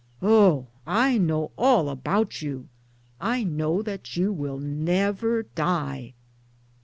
" Oh, I know all about you. / know that you Will never die!